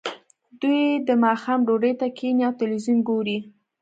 دوی د ماښام ډوډۍ ته کیښني او تلویزیون ګوري